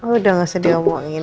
udah gak usah diomongin